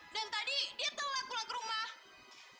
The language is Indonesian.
dan tadi dia telat pulang ke rumah